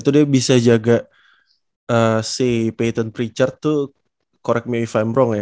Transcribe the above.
itu dia bisa jaga si peyton pritchard tuh correct me if i m wrong ya